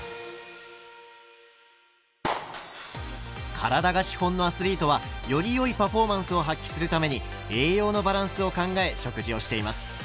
体が資本のアスリートはよりよいパフォーマンスを発揮するために栄養のバランスを考え食事をしています。